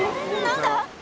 何だ？